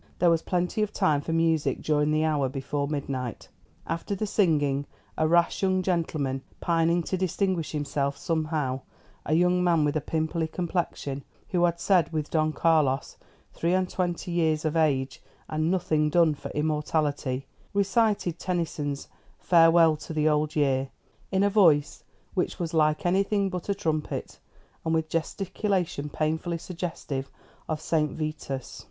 There was plenty of time for music during the hour before midnight. After the singing, a rash young gentleman, pining to distinguish himself somehow a young man with a pimply complexion, who had said with Don Carlos, "Three and twenty years of age, and nothing done for immortality" recited Tennyson's "Farewell to the Old Year," in a voice which was like anything but a trumpet, and with gesticulation painfully suggestive of Saint Vitus.